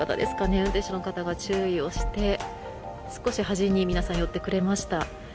運転手の方が注意をして少し端に皆さん寄ってくれました。